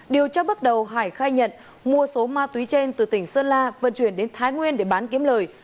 điều tra bước đầu hải khai nhận mua số ma túy trên từ tỉnh sơn la vận chuyển đến thái nguyên để bán kiếm lời